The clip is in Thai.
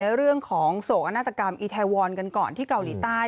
เรื่องของโศกนาฏกรรมอีแทวอนกันก่อนที่เกาหลีใต้